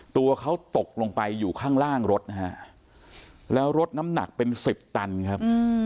ตัวเขาตกลงไปอยู่ข้างล่างรถนะฮะแล้วรถน้ำหนักเป็นสิบตันครับ